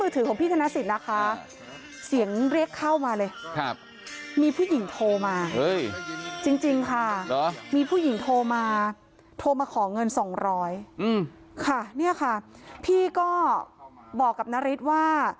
โทรมาขอเงินสองร้อยพี่ก็บอกกับนฤทธิ์ว่า